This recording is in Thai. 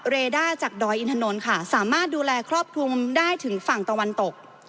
ด้าจากดอยอินถนนค่ะสามารถดูแลครอบคลุมได้ถึงฝั่งตะวันตก